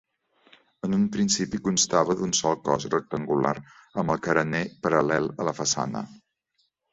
En un principi constava d'un sol cos rectangular, amb el carener paral·lel a la façana.